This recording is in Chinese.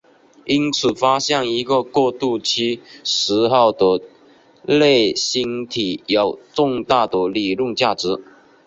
因此发现一个过渡期时候的类星体有重大的理论价值。